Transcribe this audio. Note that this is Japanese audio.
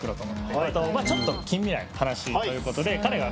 それとちょっと近未来の話ということで彼がまあ